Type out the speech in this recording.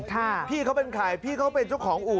ถ้าพี่เขาเป็นใครพี่เขาเป็นชุกของอู๋บ